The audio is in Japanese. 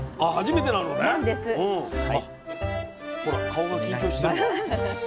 あっほら顔が緊張してるわ。